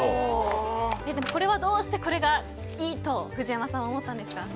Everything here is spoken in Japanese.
どうして、これがいいと藤山さんは思ったんですか。